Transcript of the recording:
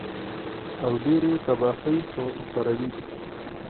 او ډېرې تباهۍ خوروي